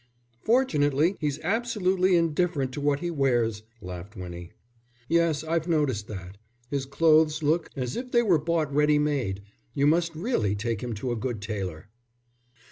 "Fortunately, he's absolutely indifferent to what he wears," laughed Winnie. "Yes, I've noticed that; his clothes look as if they were bought ready made. You must really take him to a good tailor."